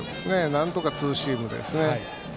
なんとかツーシームで。